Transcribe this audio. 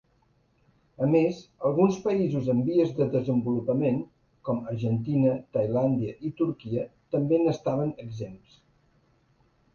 A més, alguns països en vies de desenvolupament com Argentina, Tailàndia i Turquia també n'estaven exempts.